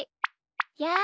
やあ。